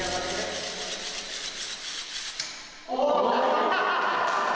お！